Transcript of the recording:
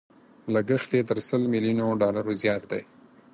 لګښت يې تر سل ميليونو ډالرو زيات دی.